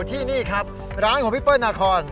ที่นี่ครับร้านของพี่เปิ้ลนาคอน